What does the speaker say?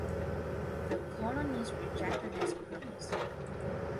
The Colonies rejected this premise.